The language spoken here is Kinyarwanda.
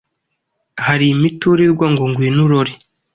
hari imiturirwa ngo ngwino urore,